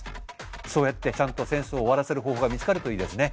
そうやってちゃんと戦争を終わらせる方法が見つかるといいですね。